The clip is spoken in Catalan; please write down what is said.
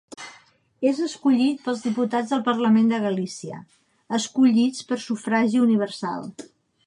És escollit pels diputats del Parlament de Galícia, escollits per sufragi universal.